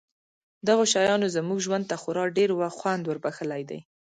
دغو شیانو زموږ ژوند ته خورا ډېر خوند وربښلی دی